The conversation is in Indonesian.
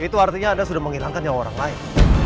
itu artinya anda sudah menghilangkan nyawa orang lain